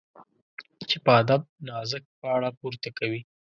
چي په ادب نازک باڼه پورته کوي